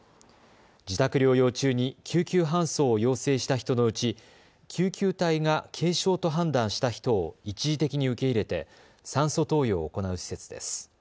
自宅療養中に救急搬送を要請した人のうち救急隊が軽症と判断した人を一時的に受け入れて酸素投与を行う施設です。